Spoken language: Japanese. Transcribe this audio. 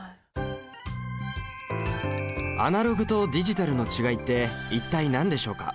アナログとディジタルの違いって一体何でしょうか？